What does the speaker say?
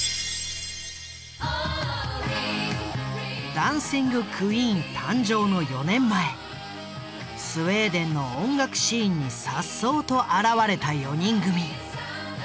「ダンシング・クイーン」誕生の４年前スウェーデンの音楽シーンにさっそうと現れた４人組。